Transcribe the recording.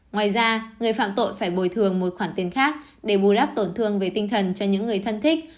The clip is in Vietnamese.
ngoài ra người phạm tội phải bồi thường một khoản tiền khác để bù đắp tổn thương về tinh thần cho những người thân thích